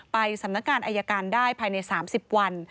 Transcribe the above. ไปสำนักงานอายการได้ภายใน๓๐วัน